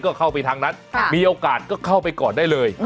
ก็เข้าไปทางนั้นมีโอกาสก็เข้าไปก่อนได้เลย